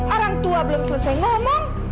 orang tua belum selesai ngomong